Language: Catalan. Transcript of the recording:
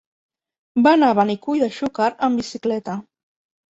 Va anar a Benicull de Xúquer amb bicicleta.